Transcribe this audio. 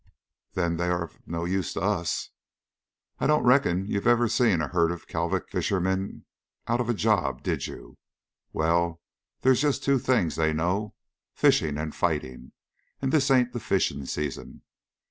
"Then they are of no use to us." "I don't reckon you ever seen a herd of Kalvik fishermen out of a job, did you? Well, there's just two things they know, fishing and fighting, and this ain't the fishing season.